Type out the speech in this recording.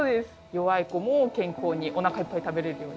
弱い子も健康におなかいっぱい食べれるように。